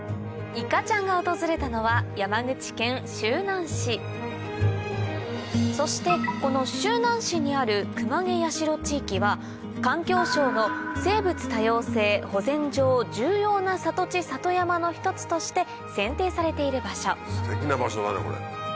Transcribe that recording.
いかちゃんが訪れたのはそしてこの周南市にある熊毛八代地域は環境省の「生物多様性保全上重要な里地里山」の一つとして選定されている場所ステキな場所だねこれ。